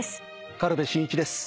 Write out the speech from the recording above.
軽部真一です。